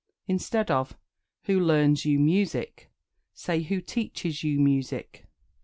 Instead of "Who learns you music?" say "Who teaches you music?"